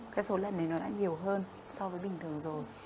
cái số lần đấy nó đã nhiều hơn so với bình thường rồi